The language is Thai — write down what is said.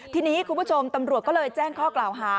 ทีนี้คุณผู้ชมตำรวจก็เลยแจ้งข้อกล่าวหา